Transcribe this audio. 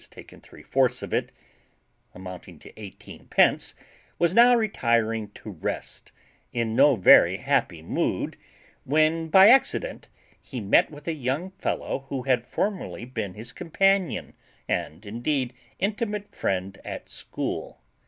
taken three fourths of it, amounting to eighteen pence, was now retiring to rest, in no very happy mood, when by accident he met with a young fellow who had formerly been his companion, and indeed intimate friend, at school.